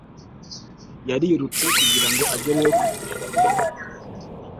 yarirutse kugira ngo agereyo ku gihe